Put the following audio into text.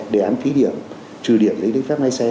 đề án phí điểm trừ điểm giấy phép tay xe